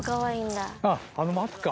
あっ、あの松か。